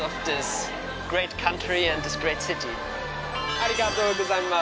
ありがとうございます。